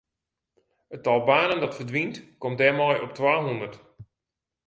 It tal banen dat ferdwynt komt dêrmei op twahûndert.